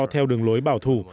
theo đường lối bảo thủ